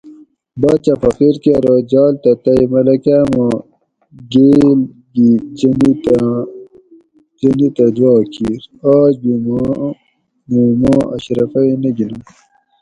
باچہ فقیر کہ آرو جال تہ تئ ملکا ما گیل گِی جنیت اٞ دعا کیر آج بھی می ما اشرُفی نہ گیننت